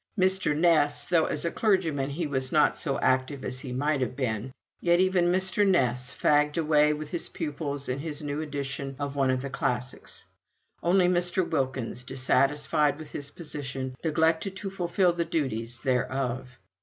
Mr. Ness though as a clergyman he was not so active as he might have been yet even Mr. Ness fagged away with his pupils and his new edition of one of the classics. Only Mr. Wilkins, dissatisfied with his position, neglected to fulfil the duties thereof.